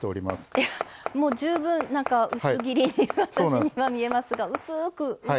いやもう十分薄切りに私には見えますが薄く薄く。